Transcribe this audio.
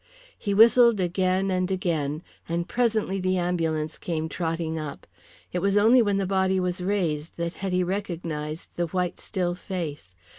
He whistled again and again, and presently the ambulance came trotting up. It was only when the body was raised that Hetty recognized the white still face.